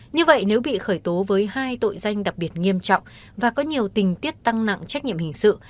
như vậy nếu bị khởi tố với hai tội danh đặc biệt nghiêm trọng và có nhiều tình tiết tăng nặng trách nhiệm hình sự